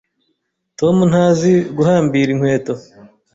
Tom ntazi guhambira inkweto.